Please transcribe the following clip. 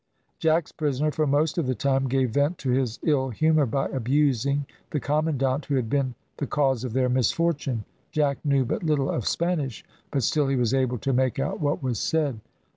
Jack's prisoner, for most of the time, gave vent to his ill humour by abusing the commandant who had been the cause of their misfortune. Jack knew but little of Spanish, but still he was able to make out what was said.